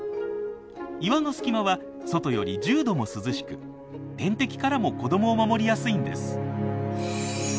岩の隙間は外より１０℃も涼しく天敵からも子どもを守りやすいんです。